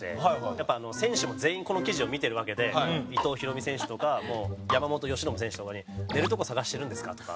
やっぱ選手も全員この記事を見てるわけで伊藤大海選手とか山本由伸選手とかに「寝るとこ探してるんですか？」とか。